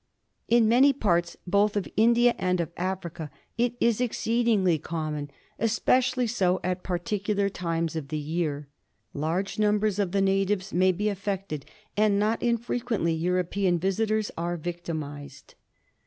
In many parts both of India and of Africa it is exceedingly common, especially so at particular times of the year. Large numbers of the natives may be affected, and not infrequently European visitors are victimised.